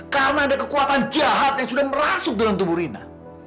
karena ada kekuatan jahat yang sudah merasuk dalam tubuh rina